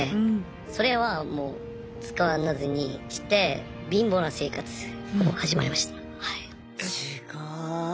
それはもう使わずにして貧乏な生活を始まりました。